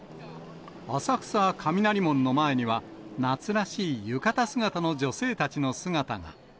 浅草・雷門の前には夏らしい浴衣姿の女性たちの姿が。